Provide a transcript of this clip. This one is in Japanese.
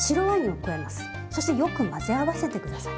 そしてよく混ぜ合わせて下さい。